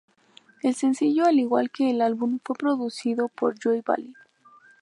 El sencillo, al igual que el álbum, fue producido por Joey Balin.